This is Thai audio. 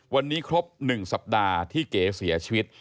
วันนี้ครบ๑สัปดาห์ที่เก๋เสียชีวิต